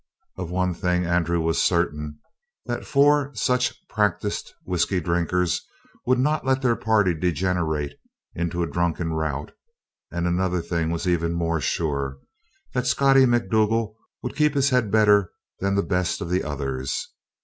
Of one thing Andrew was certain, that four such practiced whisky drinkers would never let their party degenerate into a drunken rout; and another thing was even more sure that Scottie Macdougal would keep his head better than the best of the others.